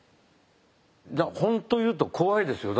本当言うと怖いですよ。